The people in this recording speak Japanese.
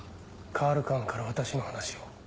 カール・カーンから私の話を。